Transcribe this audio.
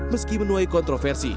meski menuai kontroversi